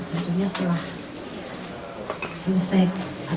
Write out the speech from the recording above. tentunya setelah selesai acara kami